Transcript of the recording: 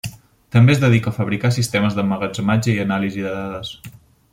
També es dedica a fabricar sistemes d’emmagatzematge i anàlisi de dades.